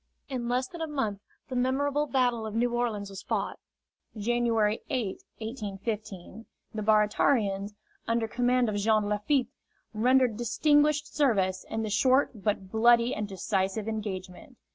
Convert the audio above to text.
In less than a month the memorable Battle of New Orleans was fought January 8, 1815. The Baratarians, under command of Jean Lafitte, rendered distinguished service in the short but bloody and decisive engagement.